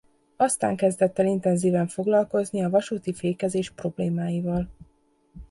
Aztán kezdett el intenzíven foglalkozni a vasúti fékezés problémáival.